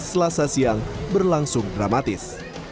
selasa siang berlangsung dramatis